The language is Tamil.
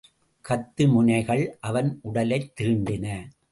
கத்தி முனைகள் அவன் உடலைத் தீண்டின.